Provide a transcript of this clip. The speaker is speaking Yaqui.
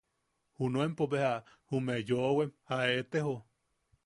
Junuempo bea jume yoʼowem a eʼetejo.